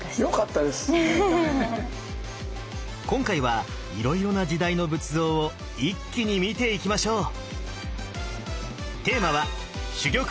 今回はいろいろな時代の仏像を一気に見ていきましょう！